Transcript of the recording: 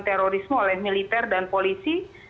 terorisme oleh militer dan polisi